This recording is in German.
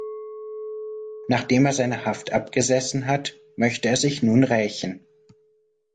Nachdem er seine Haft abgesessen hat, möchte er sich nun rächen.